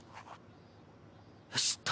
よしっと。